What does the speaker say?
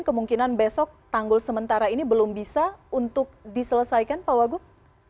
kemungkinan besok tanggul sementara ini belum bisa untuk diselesaikan pak wagub